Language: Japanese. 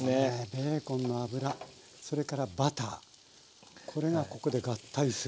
ベーコンの脂それからバターこれがここで合体する。